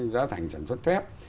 giá thành sản xuất thép